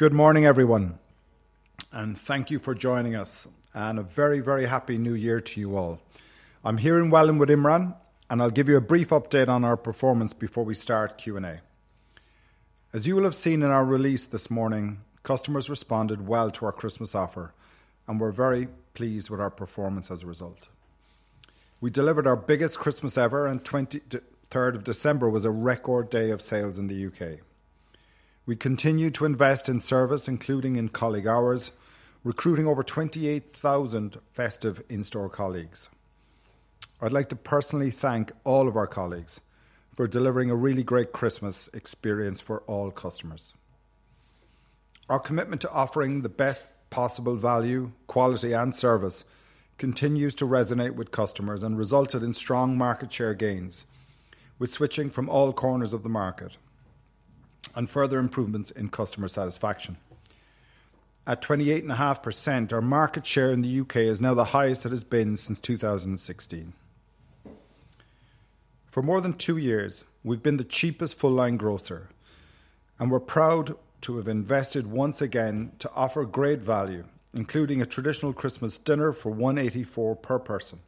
Good morning, everyone, and thank you for joining us, and a very, very happy New Year to you all. I'm here in Welwyn Garden City with Imran, and I'll give you a brief update on our performance before we start Q&A. As you will have seen in our release this morning, customers responded well to our Christmas offer, and we're very pleased with our performance as a result. We delivered our biggest Christmas ever, and the 23rd of December was a record day of sales in the UK. We continue to invest in service, including in colleague hours, recruiting over 28,000 festive in-store colleagues. I'd like to personally thank all of our colleagues for delivering a really great Christmas experience for all customers. Our commitment to offering the best possible value, quality, and service continues to resonate with customers and resulted in strong market share gains, with switching from all corners of the market and further improvements in customer satisfaction. At 28.5%, our market share in the U.K. is now the highest it has been since 2016. For more than two years, we've been the cheapest full-line grocer, and we're proud to have invested once again to offer great value, including a traditional Christmas dinner for £1.84 per person,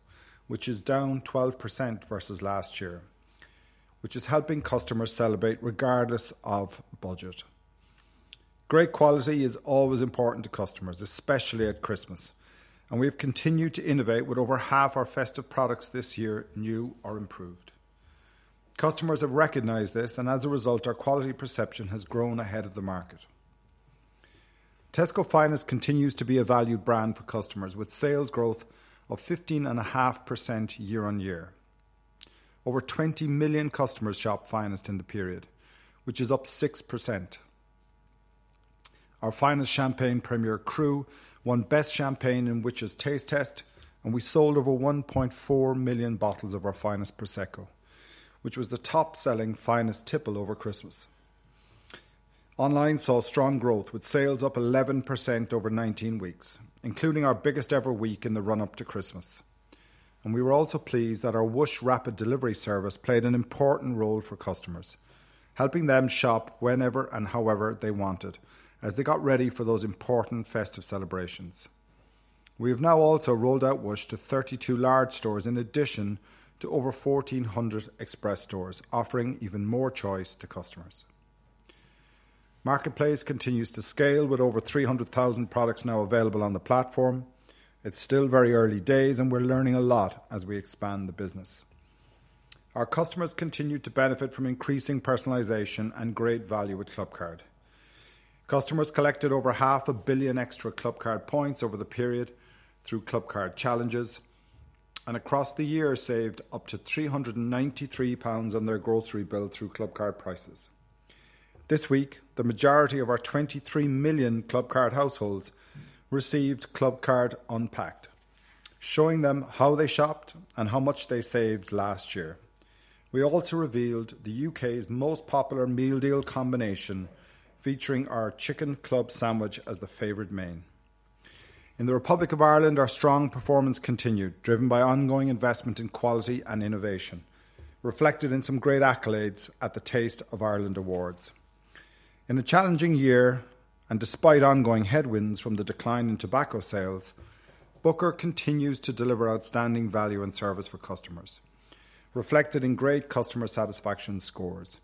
which is down 12% versus last year, which is helping customers celebrate regardless of budget. Great quality is always important to customers, especially at Christmas, and we have continued to innovate with over half our festive products this year new or improved. Customers have recognized this, and as a result, our quality perception has grown ahead of the market. Tesco Finest continues to be a valued brand for customers, with sales growth of 15.5% year-on-year. Over 20 million customers shop Finest in the period, which is up 6%. Our Finest Champagne Premier Cuvée won Best Champagne in Which? Taste Test, and we sold over 1.4 million bottles of our Finest Prosecco, which was the top-selling Finest tipple over Christmas. Online saw strong growth, with sales up 11% over 19 weeks, including our biggest ever week in the run-up to Christmas. And we were also pleased that our Whoosh rapid delivery service played an important role for customers, helping them shop whenever and however they wanted as they got ready for those important festive celebrations. We have now also rolled out Whoosh to 32 large stores in addition to over 1,400 express stores, offering even more choice to customers. Marketplace continues to scale with over 300,000 products now available on the platform. It's still very early days, and we're learning a lot as we expand the business. Our customers continue to benefit from increasing personalization and great value with Clubcard. Customers collected over 500 million extra Clubcard points over the period through Clubcard Challenges, and across the year saved up to £393 on their grocery bill through Clubcard Prices. This week, the majority of our 23 million Clubcard households received Clubcard Unpacked, showing them how they shopped and how much they saved last year. We also revealed the UK's most popular meal deal combination, featuring our chicken club sandwich as the favorite main. In the Republic of Ireland, our strong performance continued, driven by ongoing investment in quality and innovation, reflected in some great accolades at the Taste of Ireland Awards. In a challenging year, and despite ongoing headwinds from the decline in tobacco sales, Booker continues to deliver outstanding value and service for customers, reflected in great customer satisfaction scores.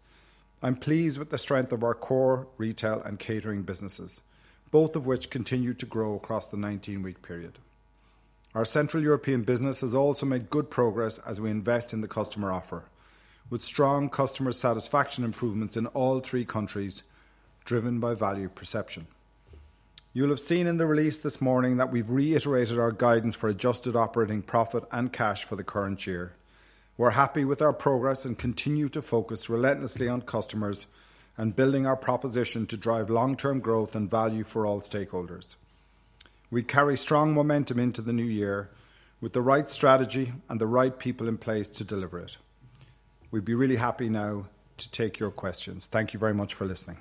I'm pleased with the strength of our core retail and catering businesses, both of which continue to grow across the 19-week period. Our Central European business has also made good progress as we invest in the customer offer, with strong customer satisfaction improvements in all three countries driven by value perception. You'll have seen in the release this morning that we've reiterated our guidance for adjusted operating profit and cash for the current year. We're happy with our progress and continue to focus relentlessly on customers and building our proposition to drive long-term growth and value for all stakeholders. We carry strong momentum into the new year with the right strategy and the right people in place to deliver it. We'd be really happy now to take your questions. Thank you very much for listening.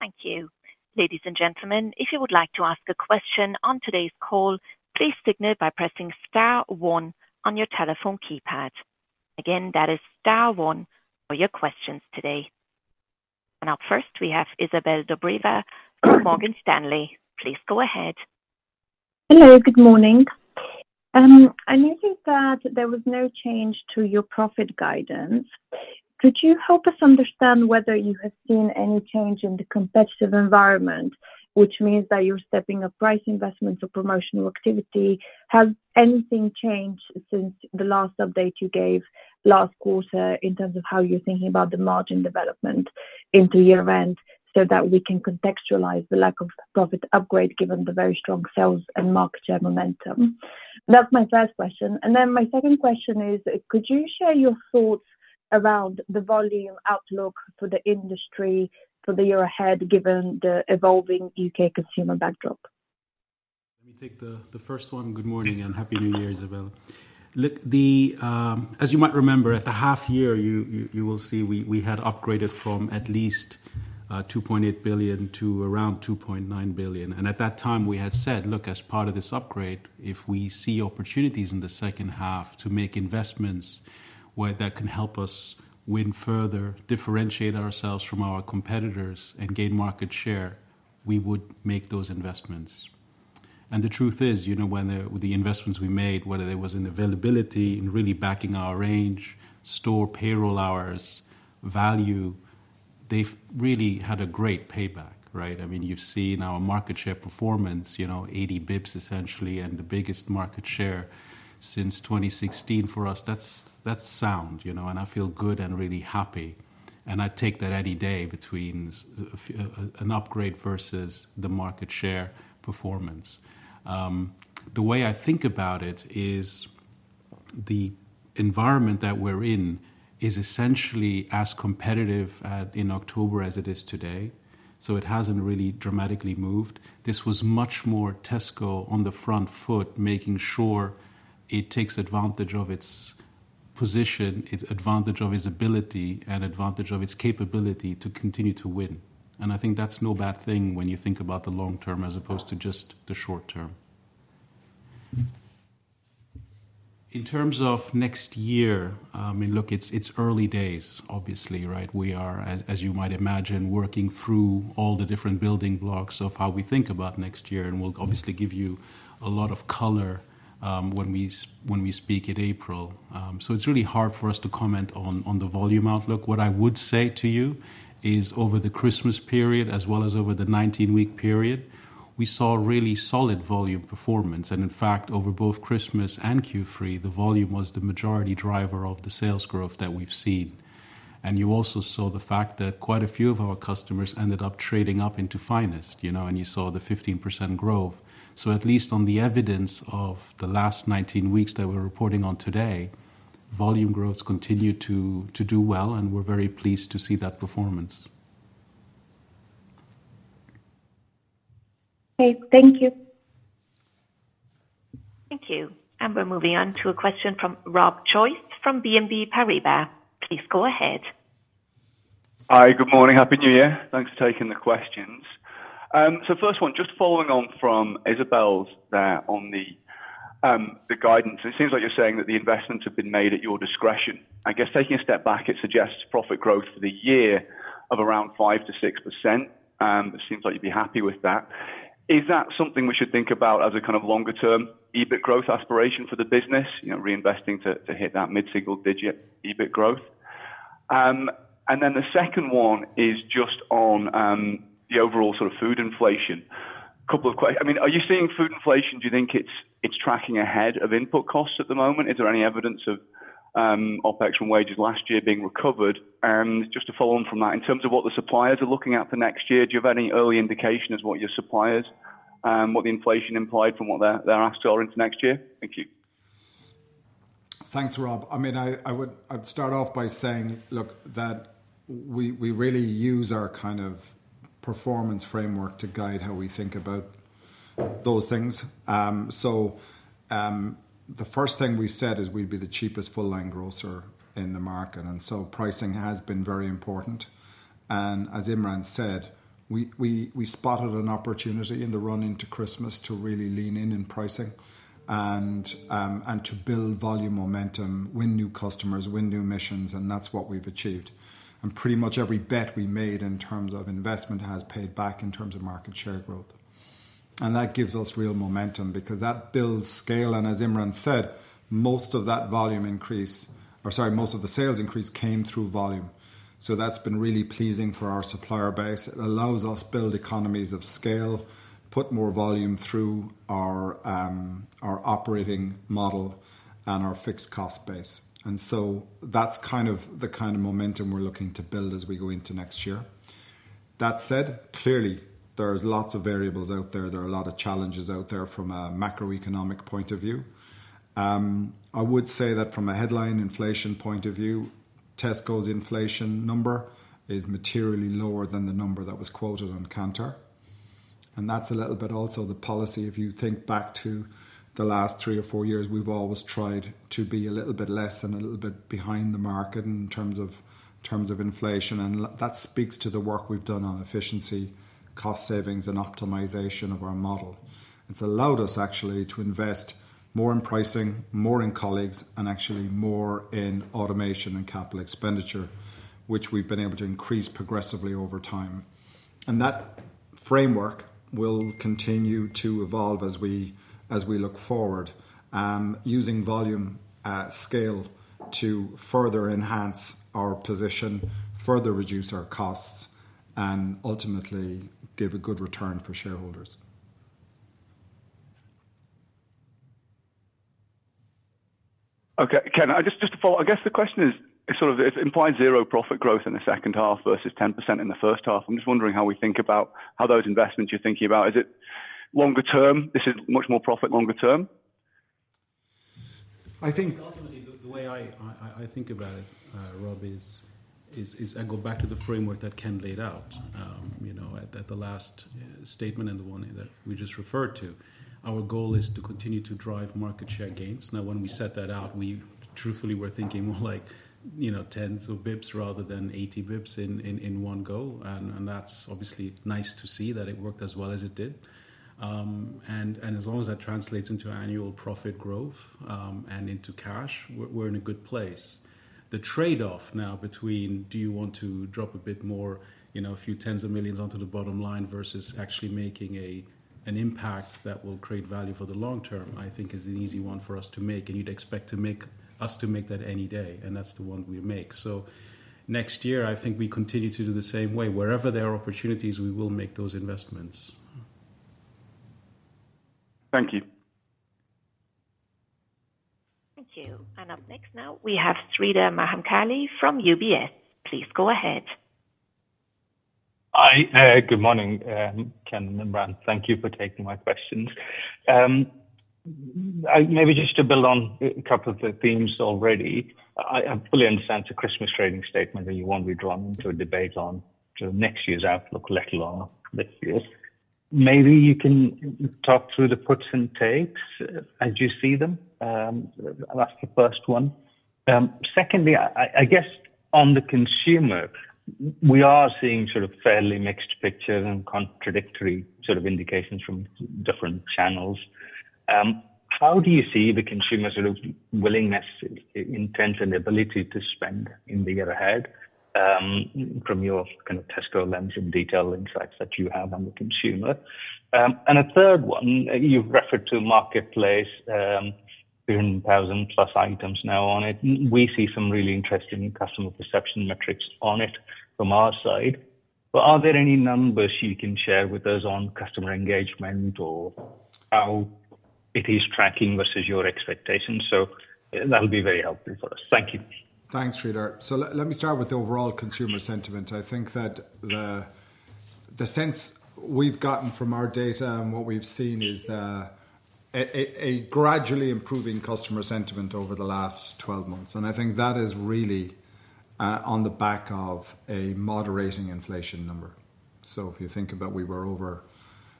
Thank you. Ladies and gentlemen, if you would like to ask a question on today's call, please signal by pressing star one on your telephone keypad. Again, that is star one for your questions today. And up first, we have Izabel Dobreva from Morgan Stanley. Please go ahead. Hello, good morning. I noticed that there was no change to your profit guidance. Could you help us understand whether you have seen any change in the competitive environment, which means that you're stepping up price investments or promotional activity? Has anything changed since the last update you gave last quarter in terms of how you're thinking about the margin development into year-end so that we can contextualize the lack of profit upgrade given the very strong sales and market share momentum? That's my first question. And then my second question is, could you share your thoughts around the volume outlook for the industry for the year ahead given the evolving U.K. consumer backdrop? Let me take the first one. Good morning and happy New Year, Izabel. Look, as you might remember, at the half year, you will see we had upgraded from at least 2.8 billion to around 2.9 billion, and at that time, we had said, look, as part of this upgrade, if we see opportunities in the second half to make investments where that can help us win further, differentiate ourselves from our competitors, and gain market share, we would make those investments, and the truth is, you know, when the investments we made, whether there was an availability in really backing our range, store payroll hours, value, they've really had a great payback, right? I mean, you've seen our market share performance, you know, 80 bps essentially, and the biggest market share since 2016 for us. That's sound, you know, and I feel good and really happy. And I take that any day between an upgrade versus the market share performance. The way I think about it is the environment that we're in is essentially as competitive in October as it is today, so it hasn't really dramatically moved. This was much more Tesco on the front foot, making sure it takes advantage of its position, its advantage of its ability, and advantage of its capability to continue to win. And I think that's no bad thing when you think about the long term as opposed to just the short term. In terms of next year, I mean, look, it's early days, obviously, right? We are, as you might imagine, working through all the different building blocks of how we think about next year, and we'll obviously give you a lot of color when we speak in April. So it's really hard for us to comment on the volume outlook. What I would say to you is over the Christmas period, as well as over the 19-week period, we saw really solid volume performance. And in fact, over both Christmas and Q3, the volume was the majority driver of the sales growth that we've seen. And you also saw the fact that quite a few of our customers ended up trading up into Finest, you know, and you saw the 15% growth. So at least on the evidence of the last 19 weeks that we're reporting on today, volume growths continue to do well, and we're very pleased to see that performance. Okay, thank you. Thank you. And we're moving on to a question from Rob Joyce from Goldman Sachs. Please go ahead. Hi, good morning. Happy New Year. Thanks for taking the questions. So first one, just following on from Izabel's there on the guidance, it seems like you're saying that the investments have been made at your discretion. I guess taking a step back, it suggests profit growth for the year of around 5%-6%. It seems like you'd be happy with that. Is that something we should think about as a kind of longer-term EBIT growth aspiration for the business, you know, reinvesting to hit that mid-single-digit EBIT growth? And then the second one is just on the overall sort of food inflation. A couple of questions. I mean, are you seeing food inflation? Do you think it's tracking ahead of input costs at the moment? Is there any evidence of OpEx from wages last year being recovered? Just to follow on from that, in terms of what the suppliers are looking at for next year, do you have any early indication of what your suppliers, what the inflation implied from what they're asked for into next year? Thank you. Thanks, Rob. I mean, I would start off by saying, look, that we really use our kind of performance framework to guide how we think about those things. So the first thing we said is we'd be the cheapest full-line grocer in the market. And so pricing has been very important. And as Imran said, we spotted an opportunity in the run into Christmas to really lean in in pricing and to build volume momentum, win new customers, win new missions, and that's what we've achieved. And pretty much every bet we made in terms of investment has paid back in terms of market share growth. And that gives us real momentum because that builds scale. And as Imran said, most of that volume increase, or sorry, most of the sales increase came through volume. So that's been really pleasing for our supplier base. It allows us to build economies of scale, put more volume through our operating model and our fixed cost base. And so that's kind of the kind of momentum we're looking to build as we go into next year. That said, clearly, there are lots of variables out there. There are a lot of challenges out there from a macroeconomic point of view. I would say that from a headline inflation point of view, Tesco's inflation number is materially lower than the number that was quoted on Kantar. And that's a little bit also the policy. If you think back to the last three or four years, we've always tried to be a little bit less and a little bit behind the market in terms of inflation. And that speaks to the work we've done on efficiency, cost savings, and optimization of our model. It's allowed us actually to invest more in pricing, more in colleagues, and actually more in automation and capital expenditure, which we've been able to increase progressively over time. And that framework will continue to evolve as we look forward, using volume at scale to further enhance our position, further reduce our costs, and ultimately give a good return for shareholders. Okay, Ken, just to follow, I guess the question is sort of, it implies zero profit growth in the second half versus 10% in the first half. I'm just wondering how we think about how those investments you're thinking about. Is it longer term? This is much more profit longer term? I think ultimately the way I think about it, Rob, is I go back to the framework that Ken laid out, you know, at the last statement and the one that we just referred to. Our goal is to continue to drive market share gains. Now, when we set that out, we truthfully were thinking more like, you know, 10s of basis points rather than 80 basis points in one go. And that's obviously nice to see that it worked as well as it did. And as long as that translates into annual profit growth and into cash, we're in a good place. The trade-off now between do you want to drop a bit more, you know, a few tens of millions onto the bottom line versus actually making an impact that will create value for the long term, I think is an easy one for us to make. You'd expect us to make that any day. That's the one we make. Next year, I think we continue to do the same way. Wherever there are opportunities, we will make those investments. Thank you. Thank you. Up next now, we have Sreedhar Mahamkali from UBS. Please go ahead. Hi, good morning, Ken and Imran. Thank you for taking my questions. Maybe just to build on a couple of the themes already, I fully understand the Christmas trading statement that you won't be drawn into a debate on next year's outlook, let alone this year. Maybe you can talk through the puts and takes as you see them. That's the first one. Secondly, I guess on the consumer, we are seeing sort of fairly mixed picture and contradictory sort of indications from different channels. How do you see the consumer sort of willingness, intent, and ability to spend in the year ahead from your kind of Tesco lens and detail insights that you have on the consumer? And a third one, you've referred to marketplace, 300,000 plus items now on it. We see some really interesting customer perception metrics on it from our side. But are there any numbers you can share with us on customer engagement or how it is tracking versus your expectations? So that'll be very helpful for us. Thank you. Thanks, Sreedhar. So let me start with the overall consumer sentiment. I think that the sense we've gotten from our data and what we've seen is a gradually improving customer sentiment over the last 12 months, and I think that is really on the back of a moderating inflation number. So if you think about we were over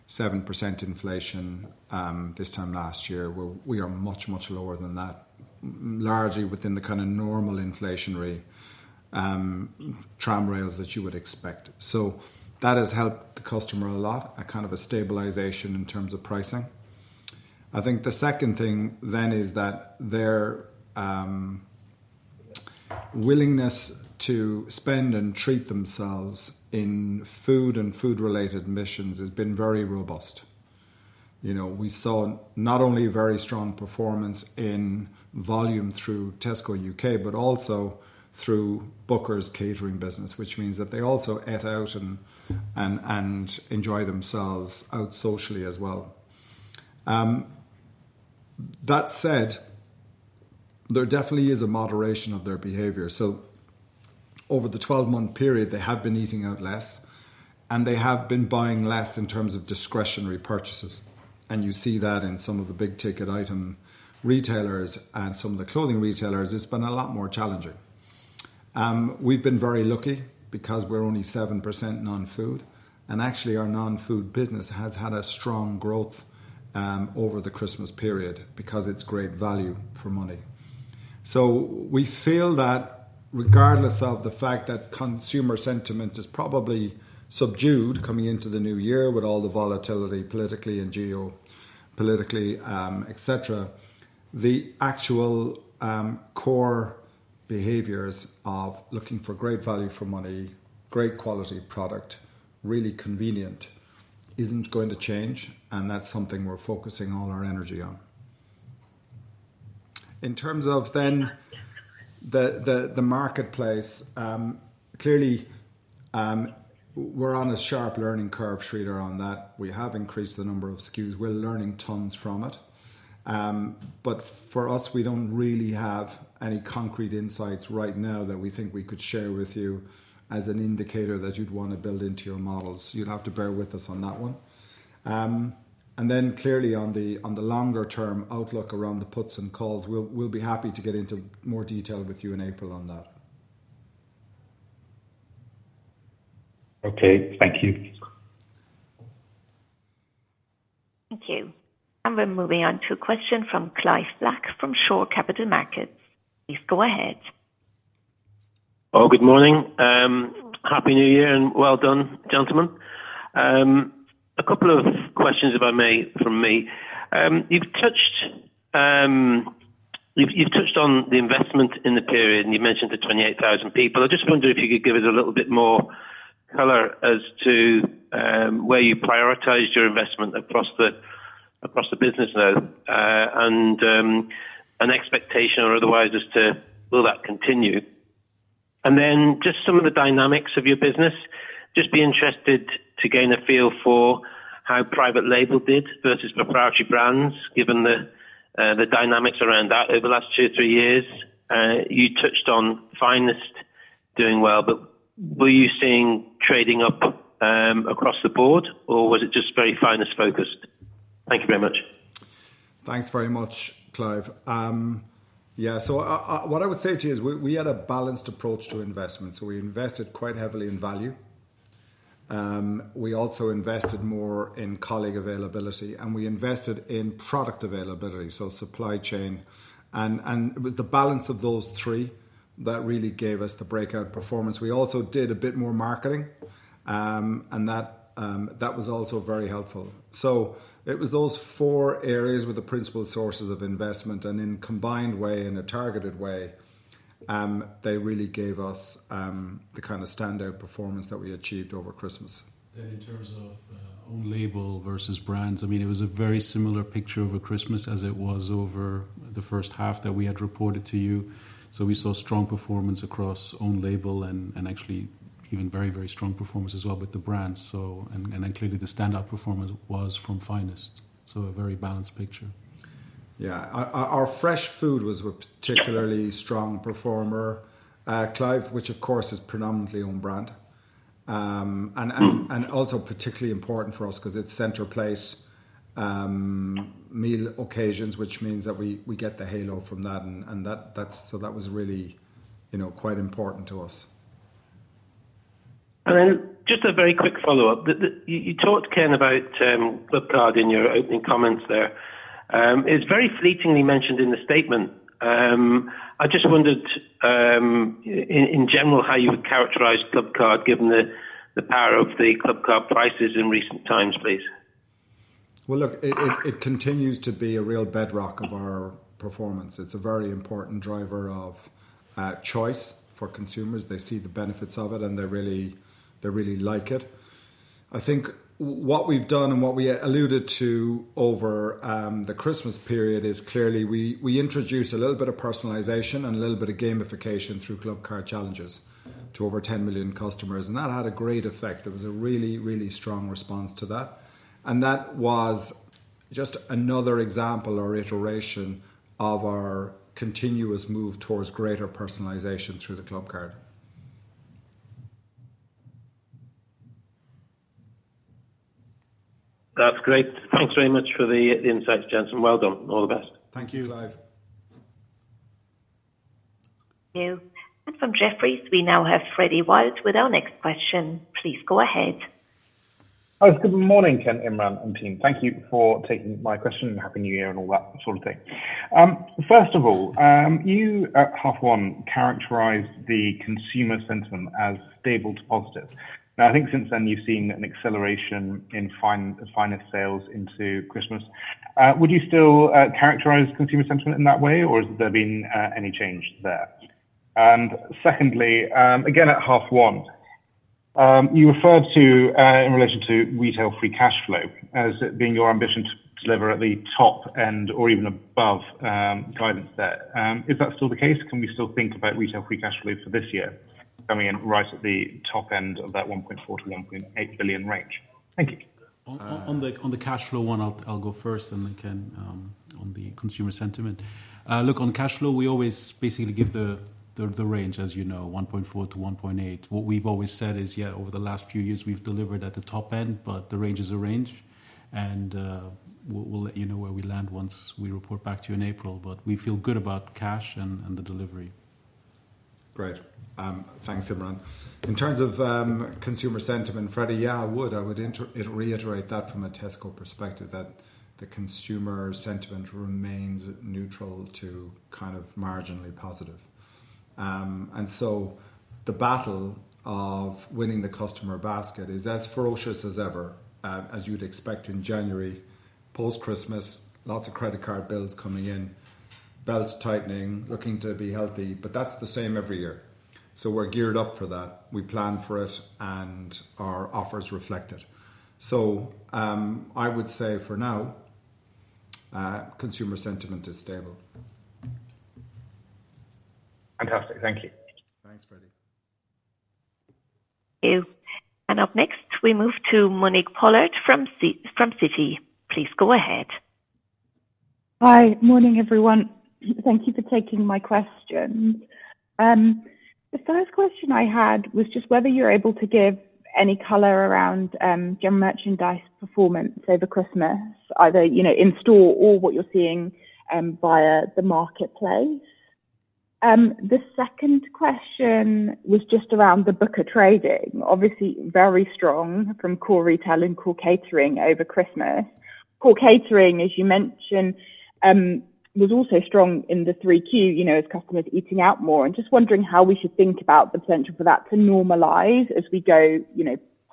7% inflation this time last year, we are much, much lower than that, largely within the kind of normal inflationary tramlines that you would expect. So that has helped the customer a lot, a kind of a stabilization in terms of pricing. I think the second thing then is that their willingness to spend and treat themselves in food and food-related occasions has been very robust. You know, we saw not only very strong performance in volume through Tesco UK, but also through Booker's catering business, which means that they also eat out and enjoy themselves out socially as well. That said, there definitely is a moderation of their behavior. So over the 12-month period, they have been eating out less, and they have been buying less in terms of discretionary purchases. And you see that in some of the big ticket item retailers and some of the clothing retailers. It's been a lot more challenging. We've been very lucky because we're only 7% non-food. And actually, our non-food business has had a strong growth over the Christmas period because it's great value for money. We feel that regardless of the fact that consumer sentiment is probably subdued coming into the new year with all the volatility politically and geopolitically, et cetera, the actual core behaviors of looking for great value for money, great quality product, really convenient isn't going to change. And that's something we're focusing all our energy on. In terms of then the marketplace, clearly, we're on a sharp learning curve, Sreedhar, on that. We have increased the number of SKUs. We're learning tons from it. But for us, we don't really have any concrete insights right now that we think we could share with you as an indicator that you'd want to build into your models. You'd have to bear with us on that one. And then clearly on the longer-term outlook around the puts and calls, we'll be happy to get into more detail with you in April on that. Okay, thank you. Thank you, and we're moving on to a question from Clive Black from Shore Capital. Please go ahead. Oh, good morning. Happy New Year and well done, gentlemen. A couple of questions if I may from me. You've touched on the investment in the period, and you mentioned the 28,000 people. I just wonder if you could give us a little bit more color as to where you prioritized your investment across the business now and an expectation or otherwise as to will that continue, and then just some of the dynamics of your business. Just be interested to gain a feel for how private label did versus proprietary brands, given the dynamics around that over the last two or three years. You touched on Finest doing well, but were you seeing trading up across the board, or was it just very Finest-focused? Thank you very much. Thanks very much, Clive. Yeah, so what I would say to you is we had a balanced approach to investment, so we invested quite heavily in value. We also invested more in colleague availability, and we invested in product availability, so supply chain, and it was the balance of those three that really gave us the breakout performance. We also did a bit more marketing, and that was also very helpful, so it was those four areas with the principal sources of investment, and in a combined way, in a targeted way, they really gave us the kind of standout performance that we achieved over Christmas, and in terms of own label versus brands, I mean, it was a very similar picture over Christmas as it was over the first half that we had reported to you. We saw strong performance across own label and actually even very, very strong performance as well with the brands. And then clearly the standout performance was from Finest. So a very balanced picture. Yeah, our fresh food was a particularly strong performer, Clive, which of course is predominantly own brand. And also particularly important for us because it's center place meal occasions, which means that we get the halo from that. And so that was really, you know, quite important to us. And then just a very quick follow-up. You talked, Ken, about Clubcard in your opening comments there. It's very fleetingly mentioned in the statement. I just wondered in general how you would characterize Clubcard given the power of the Clubcard Prices in recent times, please. Look, it continues to be a real bedrock of our performance. It's a very important driver of choice for consumers. They see the benefits of it, and they really like it. I think what we've done and what we alluded to over the Christmas period is clearly we introduced a little bit of personalization and a little bit of gamification through Clubcard challenges to over 10 million customers. That had a great effect. There was a really, really strong response to that. That was just another example or iteration of our continuous move towards greater personalization through the Clubcard. That's great. Thanks very much for the insights, gentlemen. Well done. All the best. Thank you, Clive. Thank you. And from Jefferies, we now have Frederick Wild with our next question. Please go ahead. Hi, good morning, Ken, Imran, and team. Thank you for taking my question and Happy New Year and all that sort of thing. First of all, you at H1 characterized the consumer sentiment as stable to positive. Now, I think since then you've seen an acceleration in Finest sales into Christmas. Would you still characterize consumer sentiment in that way, or has there been any change there? And secondly, again at H1, you referred to in relation to retail free cash flow as being your ambition to deliver at the top end or even above guidance there. Is that still the case? Can we still think about retail free cash flow for this year coming in right at the top end of that 1.4-1.8 billion range? Thank you. On the cash flow one, I'll go first, and then Ken on the consumer sentiment. Look, on cash flow, we always basically give the range, as you know, 1.4-1.8. What we've always said is, yeah, over the last few years we've delivered at the top end, but the range is a range. We'll let you know where we land once we report back to you in April. But we feel good about cash and the delivery. Great. Thanks, Imran. In terms of consumer sentiment, Frederick, yeah, I would. I would reiterate that from a Tesco perspective that the consumer sentiment remains neutral to kind of marginally positive. So the battle of winning the customer basket is as ferocious as ever, as you'd expect in January, post-Christmas, lots of credit card bills coming in, belts tightening, looking to be healthy, but that's the same every year. So we're geared up for that. We plan for it and our offers reflect it. So I would say for now, consumer sentiment is stable. Fantastic. Thank you. Thanks, Frederick. Thank you, and up next, we move to Monique Pollard from Citi. Please go ahead. Hi, morning, everyone. Thank you for taking my question. The first question I had was just whether you're able to give any color around your merchandise performance over Christmas, either in store or what you're seeing via the marketplace. The second question was just around the Booker trading, obviously very strong from core retail and core catering over Christmas. Core catering, as you mentioned, was also strong in the 3Q, you know, as customers eating out more. And just wondering how we should think about the potential for that to normalize as we go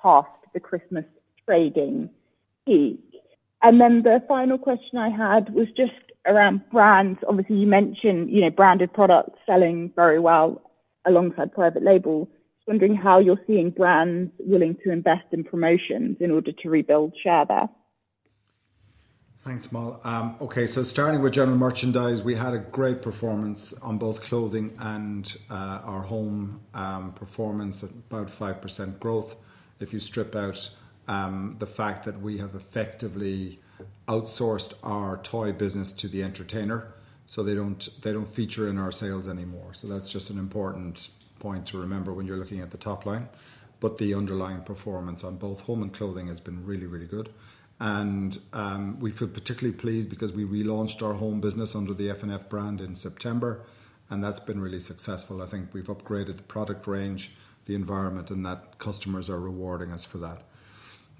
past the Christmas trading peak. And then the final question I had was just around brands. Obviously, you mentioned branded products selling very well alongside private label. Just wondering how you're seeing brands willing to invest in promotions in order to rebuild share there. Thanks, Mal. Okay, so starting with general merchandise, we had a great performance on both clothing and our home performance, about 5% growth. If you strip out the fact that we have effectively outsourced our toy business to The Entertainer, so they don't feature in our sales anymore. So that's just an important point to remember when you're looking at the top line. But the underlying performance on both home and clothing has been really, really good. And we feel particularly pleased because we relaunched our home business under the F&F brand in September, and that's been really successful. I think we've upgraded the product range, the environment, and that customers are rewarding us for that.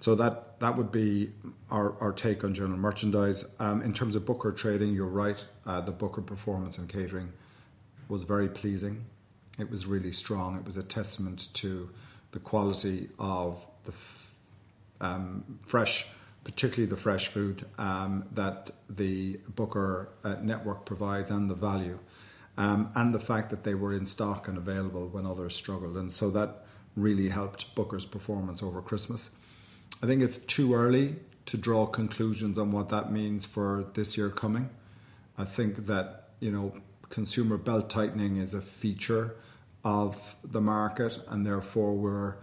So that would be our take on general merchandise. In terms of Booker trading, you're right. The Booker performance and catering was very pleasing. It was really strong. It was a testament to the quality of the fresh, particularly the fresh food that the Booker network provides and the value, and the fact that they were in stock and available when others struggled, and so that really helped Booker's performance over Christmas. I think it's too early to draw conclusions on what that means for this year coming. I think that, you know, consumer belt tightening is a feature of the market, and therefore we're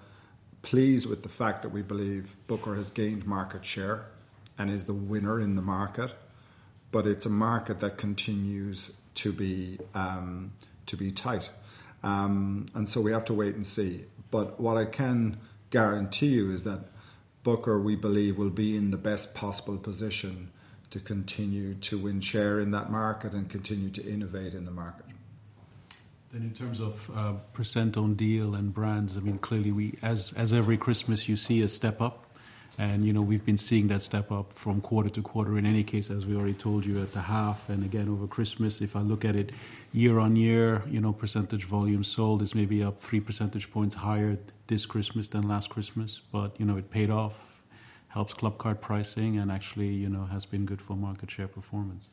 pleased with the fact that we believe Booker has gained market share and is the winner in the market, but it's a market that continues to be tight, and so we have to wait and see, but what I can guarantee you is that Booker, we believe, will be in the best possible position to continue to win share in that market and continue to innovate in the market. And in terms of percent on deal and brands, I mean, clearly, as every Christmas, you see a step up. And, you know, we've been seeing that step up from quarter to quarter, in any case, as we already told you, at the half and again over Christmas. If I look at it year-on-year, you know, percentage volume sold is maybe up three percentage points higher this Christmas than last Christmas. But, you know, it paid off, helps Clubcard pricing, and actually, you know, has been good for market share performance.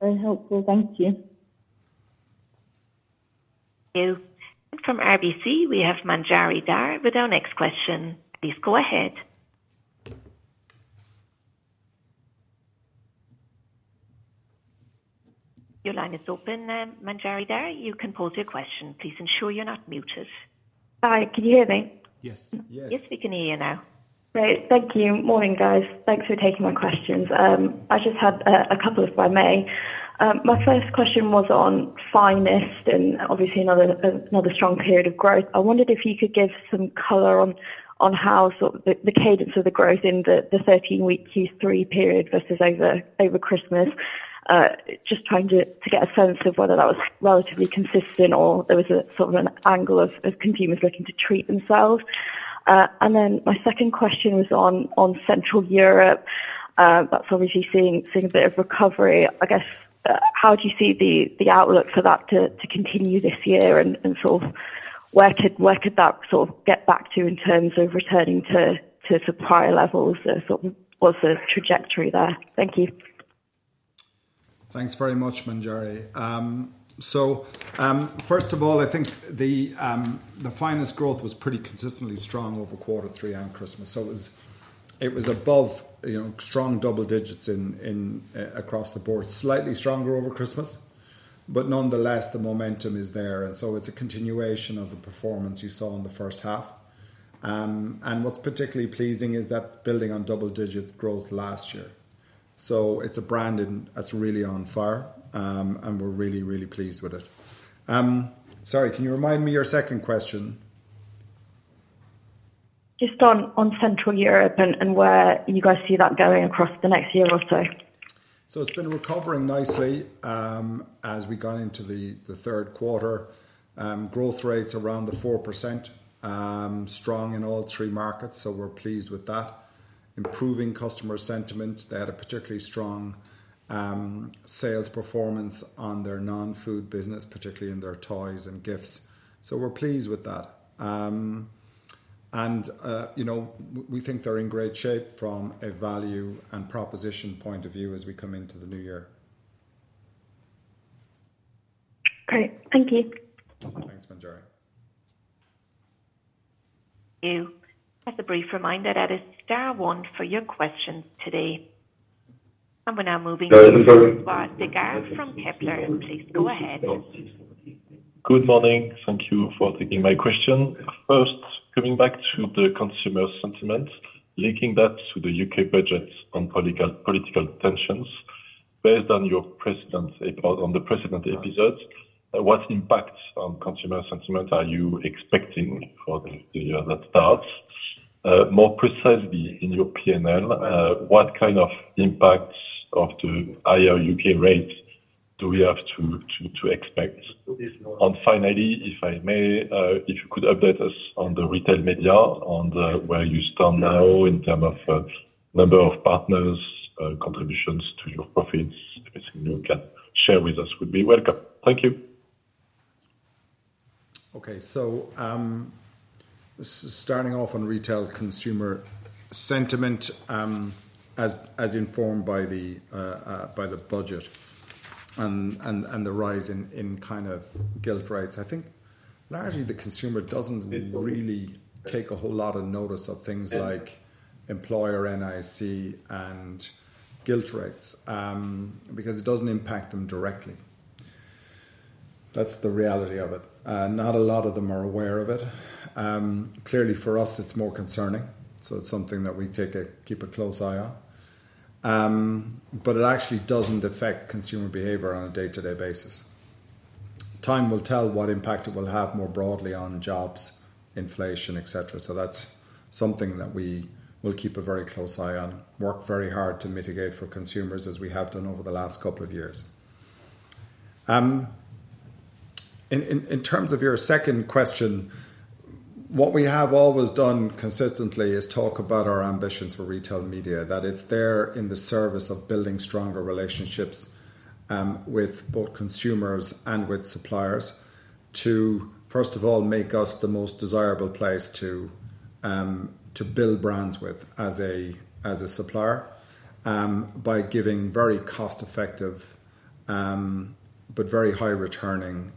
Very helpful. Thank you. Thank you. And from RBC, we have Manjari Dhar with our next question. Please go ahead. Your line is open, Manjari Dhar. You can pose your question. Please ensure you're not muted. Hi, can you hear me? Yes. Yes, we can hear you now. Great. Thank you. Morning, guys. Thanks for taking my questions. I just had a couple of, if I may. My first question was on Finest and obviously another strong period of growth. I wondered if you could give some color on how the cadence of the growth in the 13-week Q3 period versus over Christmas, just trying to get a sense of whether that was relatively consistent or there was sort of an angle of consumers looking to treat themselves. And then my second question was on Central Europe. That's obviously seeing a bit of recovery. I guess, how do you see the outlook for that to continue this year and sort of where could that sort of get back to in terms of returning to prior levels? What's the trajectory there? Thank you. Thanks very much, Manjari. So first of all, I think the Finest growth was pretty consistently strong over quarter three and Christmas. So it was above, you know, strong double digits across the board, slightly stronger over Christmas, but nonetheless, the momentum is there. And so it's a continuation of the performance you saw in the first half. And what's particularly pleasing is that building on double-digit growth last year. So it's a brand that's really on fire, and we're really, really pleased with it. Sorry, can you remind me your second question? Just on Central Europe and where you guys see that going across the next year or so? So it's been recovering nicely as we got into the third quarter. Growth rates around the 4%, strong in all three markets, so we're pleased with that. Improving customer sentiment. They had a particularly strong sales performance on their non-food business, particularly in their toys and gifts. So we're pleased with that. And, you know, we think they're in great shape from a value and proposition point of view as we come into the new year. Great. Thank you. Thanks, Manjari. Thank you. Just a brief reminder that it's Darwin for your questions today. And we're now moving to Richard Withagen from Kepler. Please go ahead. Good morning. Thank you for taking my question. First, coming back to the consumer sentiment, linking that to the UK budget on political tensions, based on the precedent episodes, what impacts on consumer sentiment are you expecting for the year that starts? More precisely in your P&L, what kind of impacts of the higher UK rates do we have to expect? And finally, if I may, if you could update us on the retail media on where you stand now in terms of number of partners, contributions to your profits, everything you can share with us would be welcome. Thank you. Okay, so starting off on retail consumer sentiment as informed by the budget and the rise in kind of gilt rates. I think largely the consumer doesn't really take a whole lot of notice of things like employer NIC and gilt rates because it doesn't impact them directly. That's the reality of it. Not a lot of them are aware of it. Clearly, for us, it's more concerning. So it's something that we keep a close eye on. But it actually doesn't affect consumer behavior on a day-to-day basis. Time will tell what impact it will have more broadly on jobs, inflation, etc. So that's something that we will keep a very close eye on, work very hard to mitigate for consumers as we have done over the last couple of years. In terms of your second question, what we have always done consistently is talk about our ambitions for retail media, that it's there in the service of building stronger relationships with both consumers and with suppliers to, first of all, make us the most desirable place to build brands with as a supplier by giving very cost-effective but very high-returning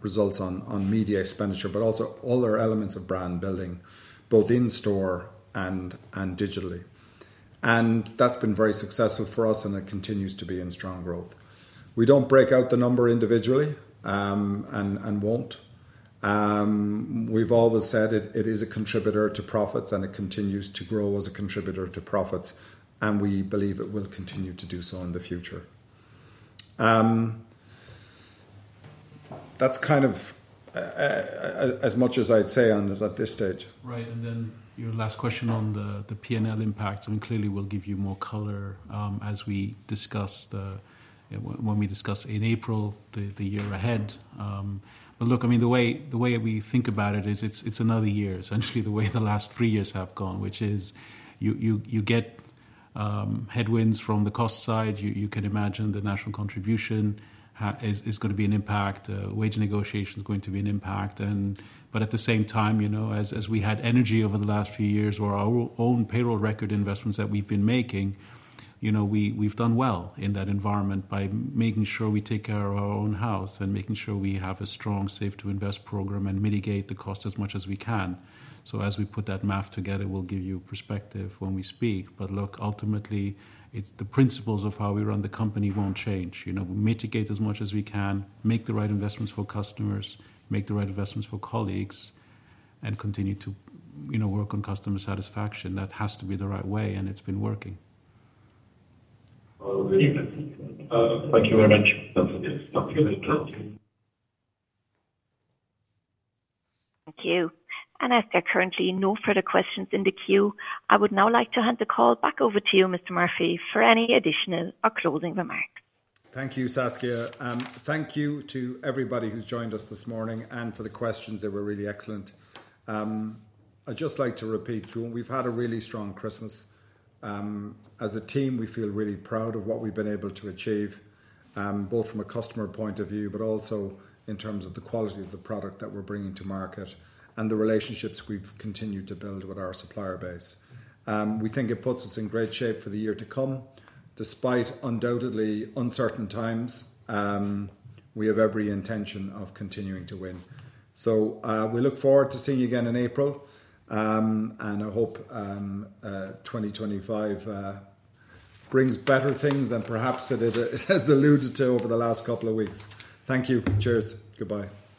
results on media expenditure, but also other elements of brand building both in store and digitally, and that's been very successful for us and it continues to be in strong growth. We don't break out the number individually and won't. We've always said it is a contributor to profits and it continues to grow as a contributor to profits, and we believe it will continue to do so in the future. That's kind of as much as I'd say on it at this stage. Right. And then your last question on the P&L impact, I mean, clearly we'll give you more color as we discuss in April the year ahead. But look, I mean, the way we think about it is it's another year, essentially, the way the last three years have gone, which is you get headwinds from the cost side. You can imagine the National Insurance contribution is going to be an impact. Wage negotiation is going to be an impact. But at the same time, you know, as we've had with energy over the last few years and our own payroll record investments that we've been making, you know, we've done well in that environment by making sure we take care of our own house and making sure we have a strong Save to Invest program and mitigate the costs as much as we can. So as we put that math together, we'll give you perspective when we speak. But look, ultimately, it's the principles of how we run the company won't change. You know, we mitigate as much as we can, make the right investments for customers, make the right investments for colleagues, and continue to, you know, work on customer satisfaction. That has to be the right way, and it's been working. Thank you very much. Thank you. And as there are currently no further questions in the queue, I would now like to hand the call back over to you, Mr. Murphy, for any additional or closing remarks. Thank you, Saskia. Thank you to everybody who's joined us this morning and for the questions. They were really excellent. I'd just like to repeat, we've had a really strong Christmas. As a team, we feel really proud of what we've been able to achieve, both from a customer point of view, but also in terms of the quality of the product that we're bringing to market and the relationships we've continued to build with our supplier base. We think it puts us in great shape for the year to come. Despite undoubtedly uncertain times, we have every intention of continuing to win. So we look forward to seeing you again in April, and I hope 2025 brings better things than perhaps it has alluded to over the last couple of weeks. Thank you. Cheers. Goodbye.